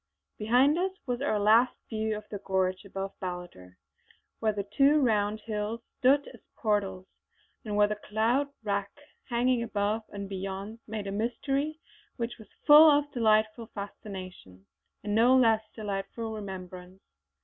Behind us was our last view of the gorge above Ballater, where the two round hills stood as portals, and where the cloud rack hanging above and beyond made a mystery which was full of delightful fascination and no less delightful remembrance.